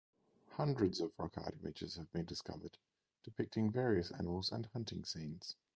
Hundreds of rock art images have been discovered, depicting various animals and hunting scenes.